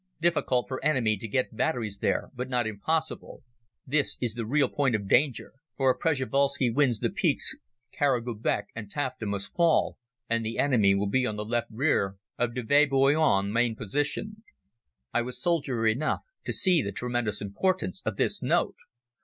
Difficult for enemy to get batteries there, but not impossible. This the real point of danger, for if Prjevalsky wins the peaks Kara Gubek and Tafta must fall, and enemy will be on left rear of Deve Boyun main position_." I was soldier enough to see the tremendous importance of this note.